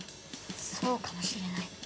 そうかもしれない。